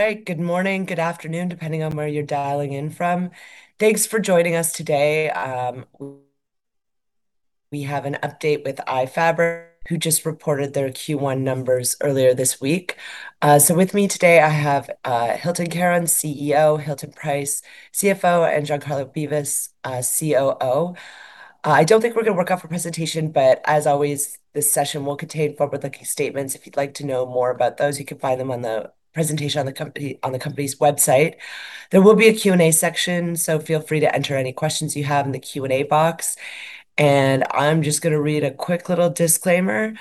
Right. Good morning, good afternoon, depending on where you're dialing in from. Thanks for joining us today. We have an update with iFabric, who just reported their Q1 numbers earlier this week. With me today I have Hylton Karon, CEO, Hilton Price, CFO, and Giancarlo Beevis, COO. I don't think we're gonna work off a presentation, as always, this session will contain forward-looking statements. If you'd like to know more about those, you can find them on the presentation on the company's website. There will be a Q&A section, feel free to enter any questions you have in the Q&A box. I'm just gonna read a quick little disclaimer.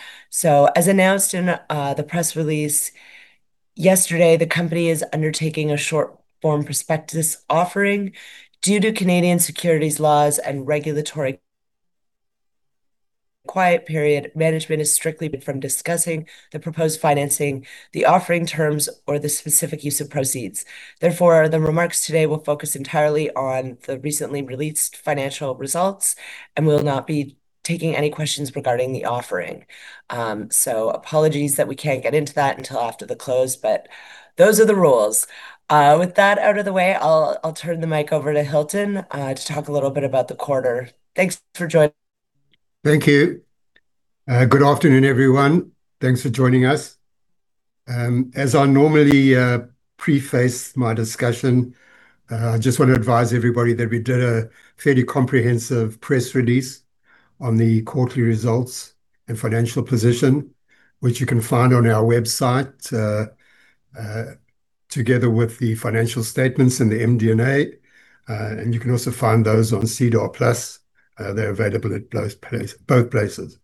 As announced in the press release yesterday, the company is undertaking a short-form prospectus offering. Due to Canadian securities laws and regulatory quiet period, management is strictly banned from discussing the proposed financing, the offering terms, or the specific use of proceeds. Therefore, the remarks today will focus entirely on the recently released financial results, and we'll not be taking any questions regarding the offering. Apologies that we can't get into that until after the close, but those are the rules. With that out of the way, I'll turn the mic over to Hylton to talk a little bit about the quarter. Thanks for joining. Thank you. Good afternoon, everyone. Thanks for joining us. As I normally preface my discussion, I just want to advise everybody that we did a fairly comprehensive press release on the quarterly results and financial position, which you can find on our website, together with the financial statements and the MD&A. You can also find those on SEDAR+. They're available at both places.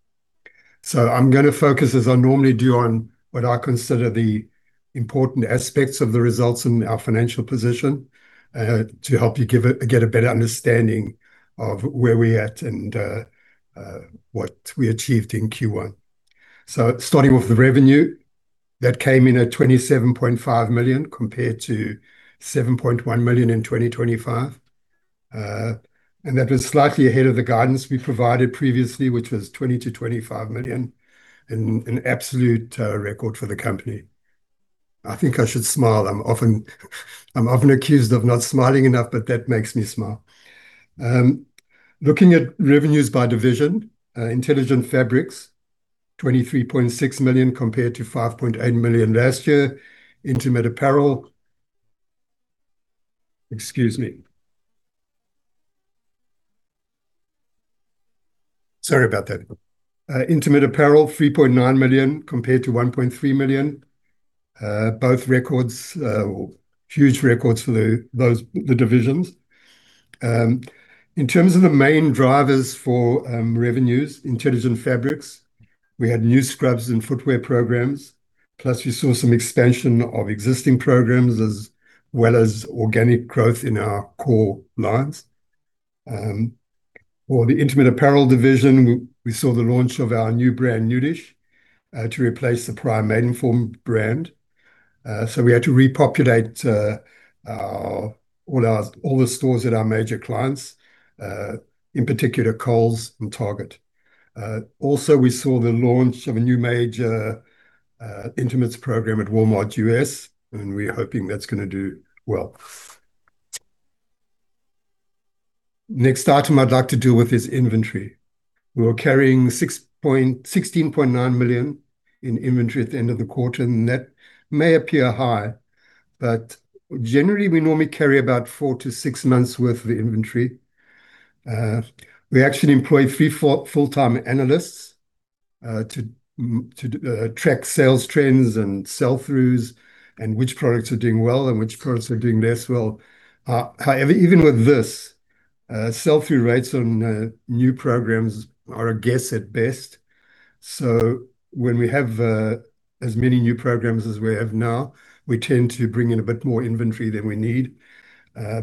I'm gonna focus, as I normally do, on what I consider the important aspects of the results and our financial position, to help you get a better understanding of where we're at and what we achieved in Q1. Starting with the revenue. That came in at 27.5 million compared to 7.1 million in 2025. That was slightly ahead of the guidance we provided previously, which was 20 million-25 million. An absolute record for the company. I think I should smile. I'm often accused of not smiling enough, but that makes me smile. Looking at revenues by division. Intelligent Fabrics, 23.6 million compared to 5.8 million last year. Excuse me. Sorry about that. Intimate Apparel, 3.9 million compared to 1.3 million. Both records, or huge records for the divisions. In terms of the main drivers for revenues, Intelligent Fabrics, we had new scrubs and footwear programs, plus we saw some expansion of existing programs as well as organic growth in our core lines. For the Intimate Apparel division, we saw the launch of our new brand, Nudish, to replace the prior Maidenform brand. We had to repopulate all the stores at our major clients, in particular Kohl's and Target. Also we saw the launch of a new major intimates program at Walmart U.S., and we're hoping that's gonna do well. Next item I'd like to deal with is inventory. We were carrying 16.9 million in inventory at the end of the quarter. That may appear high, but generally we normally carry about four to six months worth of inventory. We actually employ three full-time analysts to track sales trends and sell-throughs and which products are doing well and which products are doing less well. However, even with this, sell-through rates on new programs are a guess at best. When we have as many new programs as we have now, we tend to bring in a bit more inventory than we need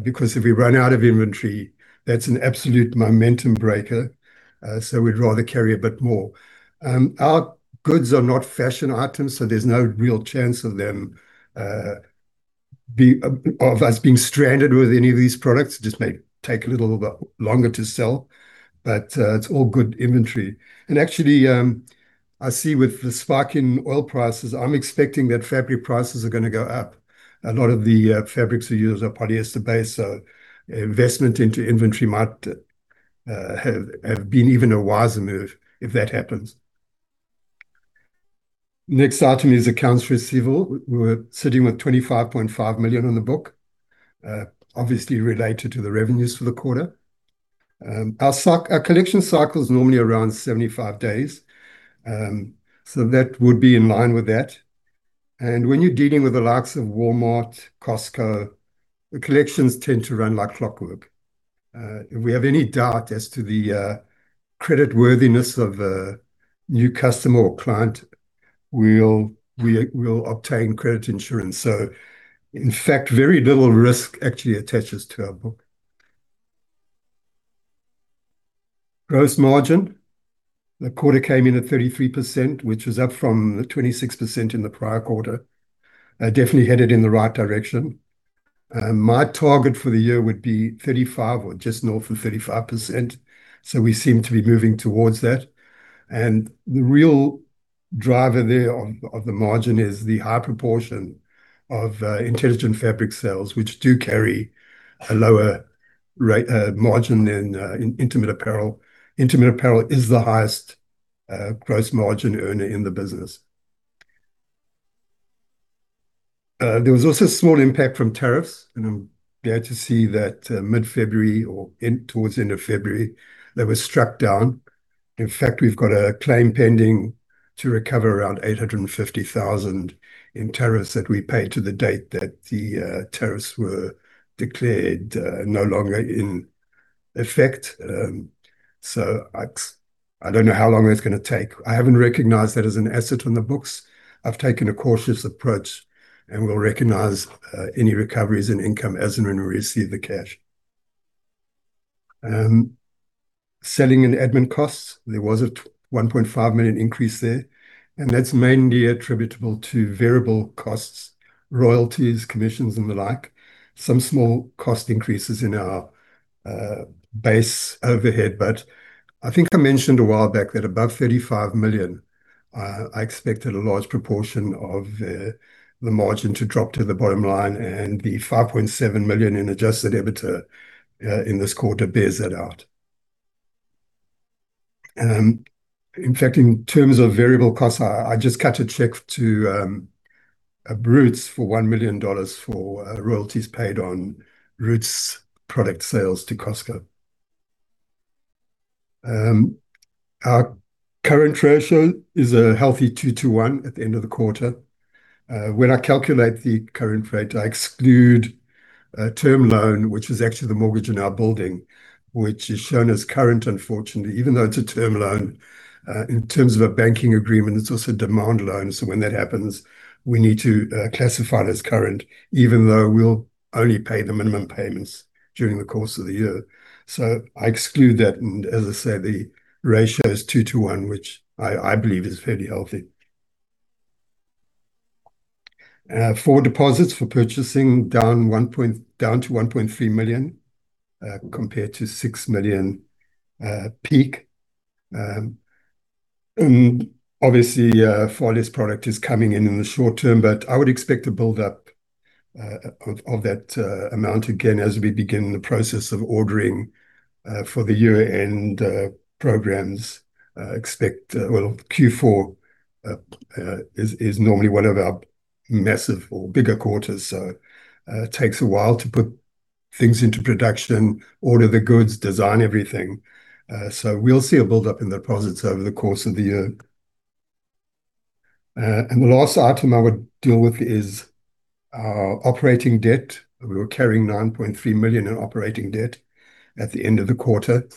because if we run out of inventory, that's an absolute momentum breaker. We'd rather carry a bit more. Our goods are not fashion items, so there's no real chance of them of us being stranded with any of these products. It just may take a little bit longer to sell, but it's all good inventory. Actually, I see with the spike in oil prices, I'm expecting that fabric prices are going to go up. A lot of the fabrics we use are polyester-based, so investment into inventory might have been even a wiser move if that happens. Next item is accounts receivable. We're sitting with 25.5 million on the book, obviously related to the revenues for the quarter. Our cycle, our collection cycle is normally around 75 days, so that would be in line with that. When you're dealing with the likes of Walmart, Costco, the collections tend to run like clockwork. If we have any doubt as to the credit worthiness of a new customer or client, we'll obtain credit insurance. In fact, very little risk actually attaches to our book. Gross margin. The quarter came in at 33%, which was up from the 26% in the prior quarter. Definitely headed in the right direction. My target for the year would be 35% or just north of 35%, we seem to be moving towards that. The real driver there on, of the margin is the high proportion of intelligent fabric sales, which do carry a lower margin in intimate apparel. Intimate apparel is the highest gross margin earner in the business. There was also a small impact from tariffs, and I'm glad to see that mid-February or towards end of February they were struck down. In fact, we've got a claim pending to recover around 850,000 in tariffs that we paid to the date that the tariffs were declared no longer in effect. I don't know how long that's gonna take. I haven't recognized that as an asset on the books. I've taken a cautious approach, and we'll recognize any recoveries in income as and when we receive the cash. Selling and admin costs, there was a 1.5 million increase there, and that's mainly attributable to variable costs, royalties, commissions and the like. Some small cost increases in our base overhead, but I think I mentioned a while back that above 35 million, I expected a large proportion of the margin to drop to the bottom line, and the 5.7 million in adjusted EBITDA in this quarter bears that out. In fact, in terms of variable costs, I just cut a check to Roots for 1 million dollars for royalties paid on Roots product sales to Costco. Our current ratio is a healthy two to one at the end of the quarter. When I calculate the current rate, I exclude a term loan, which is actually the mortgage on our building, which is shown as current unfortunately, even though it's a term loan. In terms of a banking agreement, it's also a demand loan, so when that happens we need to classify it as current even though we'll only pay the minimum payments during the course of the year. I exclude that, and as I say, the ratio is two to one, which I believe is fairly healthy. For deposits, for purchasing, down to 1.3 million compared to 6 million peak. Obviously, fall product is coming in in the short term, but I would expect a build-up of that amount again as we begin the process of ordering for the year-end programs. Expect, Q4 is normally one of our massive or bigger quarters, takes a while to put things into production, order the goods, design everything. We'll see a build-up in deposits over the course of the year. The last item I would deal with is our operating debt. We were carrying 9.3 million in operating debt at the end of the quarter.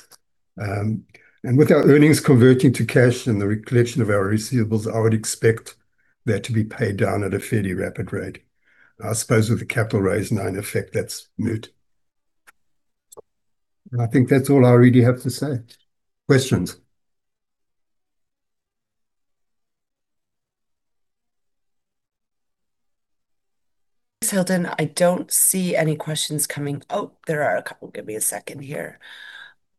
With our earnings converting to cash and the recollection of our receivables, I would expect that to be paid down at a fairly rapid rate. I suppose with the capital raise now in effect, that's moot. I think that's all I really have to say. Questions? Chris Hylton, I don't see any questions coming. Oh, there are a couple. Give me a second here.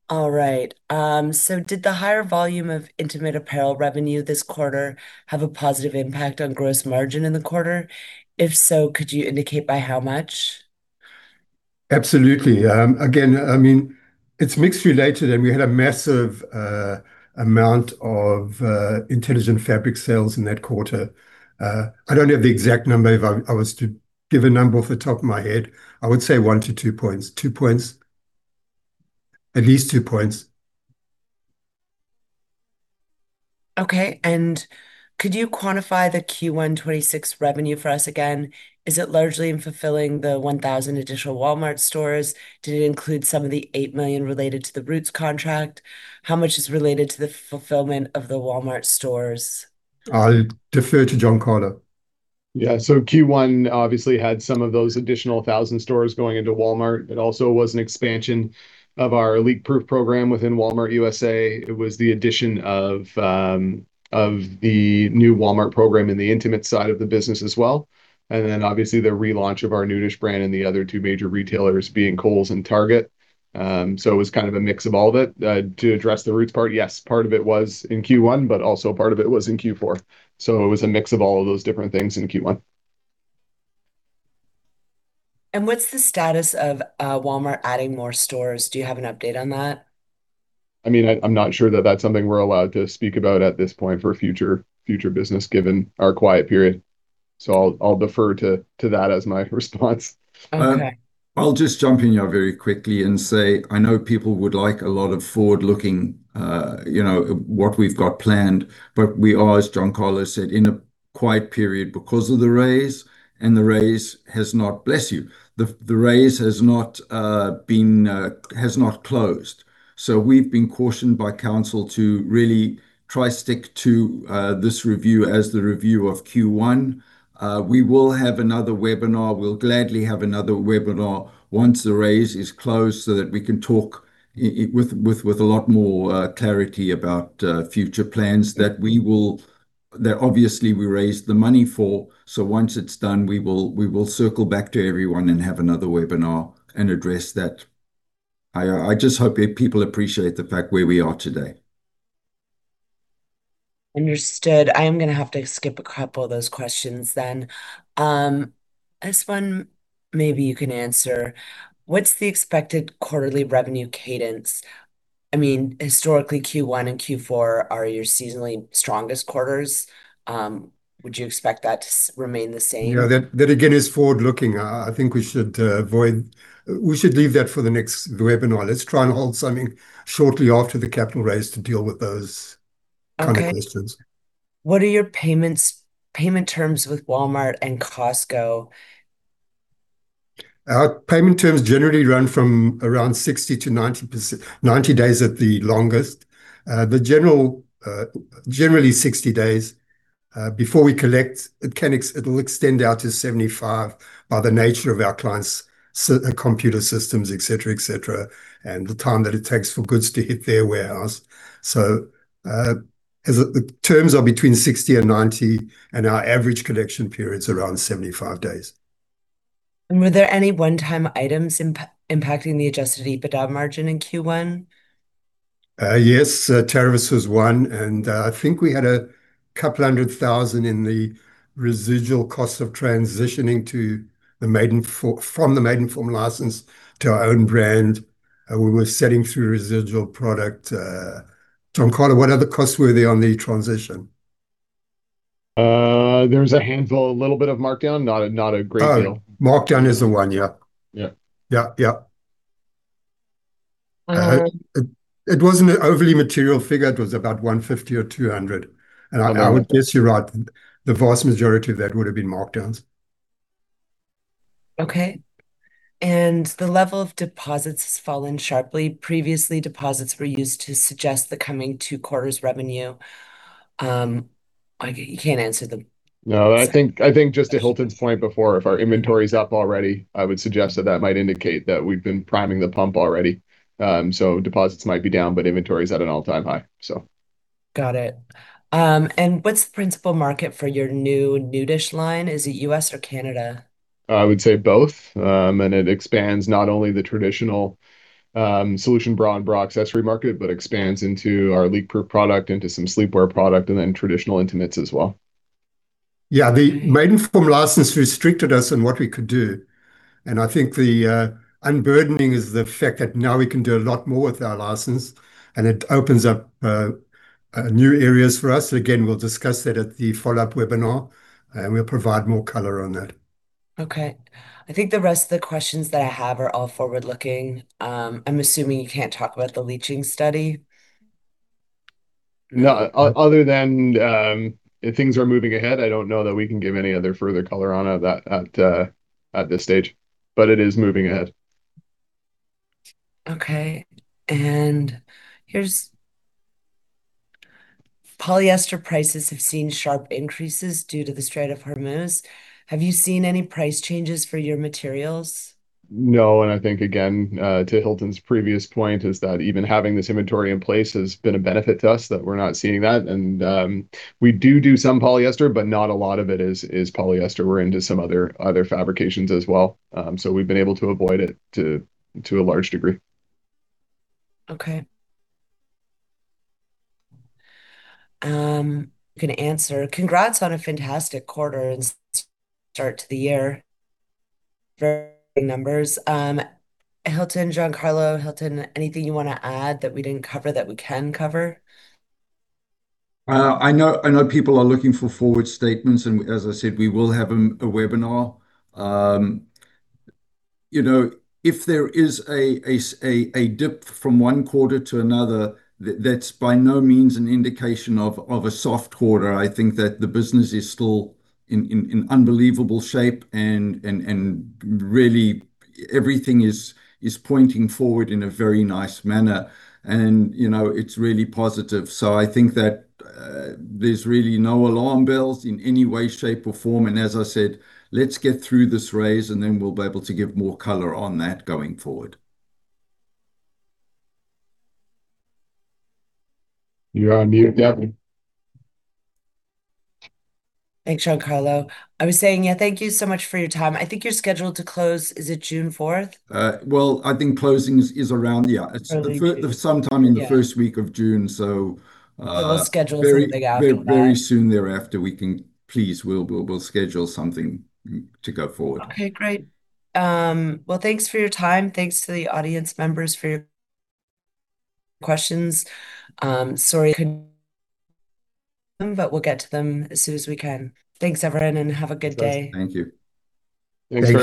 All right. Did the higher volume of intimate apparel revenue this quarter have a positive impact on gross margin in the quarter? If so, could you indicate by how much? Absolutely. Again, I mean, it's mix-related, and we had a massive amount of Intelligent Fabric sales in that quarter. I don't have the exact number. If I was to give a number off the top of my head, I would say one to two points. Two points. At least two points. Okay, could you quantify the Q1 2026 revenue for us again? Is it largely in fulfilling the 1,000 additional Walmart stores? Did it include some of the 8 million related to the Roots contract? How much is related to the fulfillment of the Walmart stores? I defer to Giancarlo. Q1 obviously had some of those additional 1,000 stores going into Walmart. It also was an expansion of our leak-proof program within Walmart U.S.A. It was the addition of the new Walmart program in the intimate side of the business as well, obviously the re-launch of our Nudish brand in the other two major retailers, being Kohl's and Target. It was kind of a mix of all of it. To address the Roots part, yes, part of it was in Q1, but also part of it was in Q4. It was a mix of all of those different things in Q1. What's the status of Walmart adding more stores? Do you have an update on that? I mean, I'm not sure that that's something we're allowed to speak about at this point for future business, given our quiet period. I'll defer to that as my response. Okay. I'll just jump in here very quickly and say I know people would like a lot of forward-looking, you know, what we've got planned. We are, as Giancarlo Beevis said, in a quiet period because of the raise. The raise has not Bless you. The raise has not been, has not closed. We've been cautioned by counsel to really try stick to this review as the review of Q1. We will have another webinar. We'll gladly have another webinar once the raise is closed so that we can talk with a lot more clarity about future plans That obviously we raised the money for. Once it's done we will circle back to everyone and have another webinar and address that. I just hope people appreciate the fact where we are today. Understood. I am gonna have to skip a couple of those questions then. This one maybe you can answer. What's the expected quarterly revenue cadence? I mean, historically Q1 and Q4 are your seasonally strongest quarters. Would you expect that to remain the same? Yeah, that again is forward-looking. I think we should leave that for the next webinar. Let's try and hold something shortly after the capital raise to deal with those kind- Okay Of questions. What are your payments, payment terms with Walmart and Costco? Our payment terms generally run from around 60-90 days at the longest. Generally 60 days before we collect. It'll extend out to 75 by the nature of our clients' computer systems, et cetera, et cetera, and the time that it takes for goods to hit their warehouse. As the terms are between 60 and 90, and our average collection period's around 75 days. Were there any one-time items impacting the adjusted EBITDA margin in Q1? Yes. Tariffs was one, and I think we had CAD couple hundred thousand in the residual cost of transitioning from the Maidenform license to our own brand. We were setting through residual product. Giancarlo, what other costs were there on the transition? There was a handful. A little bit of markdown. Not a great deal. Oh, markdown is the one. Yeah. Yeah. Yeah, yeah. Um- It wasn't an overly material figure. It was about 150 or 200. Yeah. I would guess you're right, the vast majority of that would've been markdowns. Okay. The level of deposits has fallen sharply. Previously deposits were used to suggest the coming two quarters' revenue. You can't answer them. No, I think just to Hylton's point before, if our inventory's up already, I would suggest that might indicate that we've been priming the pump already. Deposits might be down, but inventory's at an all-time high. Got it. What's the principal market for your new Nudish line? Is it U.S. or Canada? I would say both. It expands not only the traditional solution bra and bra accessory market, but expands into our leak-proof product, into some sleepwear product, and then traditional intimates as well. Yeah. The Maidenform license restricted us in what we could do, and I think the unburdening is the fact that now we can do a lot more with our license and it opens up new areas for us. Again, we'll discuss that at the follow-up webinar and we'll provide more color on that. Okay. I think the rest of the questions that I have are all forward-looking. I'm assuming you can't talk about the leaching study. No. Other than things are moving ahead, I don't know that we can give any other further color on that at this stage, but it is moving ahead. Okay. Here's polyester prices have seen sharp increases due to the Strait of Hormuz. Have you seen any price changes for your materials? No, I think, again, to Hylton's previous point, is that even having this inventory in place has been a benefit to us, that we're not seeing that. We do do some polyester, but not a lot of it is polyester. We're into some other fabrications as well. We've been able to avoid it to a large degree. Okay. can answer. Congrats on a fantastic quarter and start to the year. Very numbers. Hylton, Giancarlo. Hylton, anything you wanna add that we didn't cover that we can cover? I know people are looking for forward statements and as I said, we will have a webinar. You know, if there is a dip from one quarter to another, that's by no means an indication of a soft quarter. I think that the business is still in unbelievable shape and really everything is pointing forward in a very nice manner. You know, it's really positive. I think that, there's really no alarm bells in any way, shape, or form. As I said, let's get through this raise and then we'll be able to give more color on that going forward. You are on mute, Daphne. Thanks, Giancarlo. I was saying, yeah, thank you so much for your time. I think you're scheduled to close, is it June 4th? Well, I think closing is around. Early June It's the. Yeah in the first week of June. We'll schedule something out, won't we? Very soon thereafter we'll schedule something to go forward. Okay, great. Thanks for your time. Thanks to the audience members for your questions. Sorry I couldn't but we'll get to them as soon as we can. Thanks everyone. Have a good day. Thanks. Thank you. Thanks, everyone.